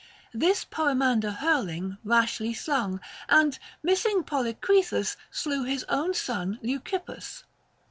This Poemander hurling rashly slung, and missing Policrithus, slew his own son Leucippus.